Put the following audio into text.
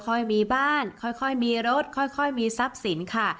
ค่อยมีบ้านค่อยมีรถค่อยมีทรัพย์สินค่ะ